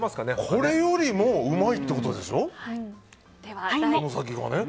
これよりもうまいってことでしょ、この先が。